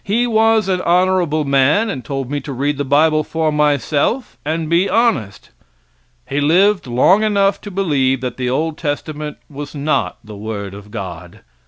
He was an honorable man, and told me to read the bible for myself and be honest. He lived long enough to believe that the old testament was not the word of God.